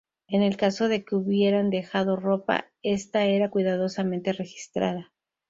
En el caso de que hubieran dejado ropa, esta era cuidadosamente registrada.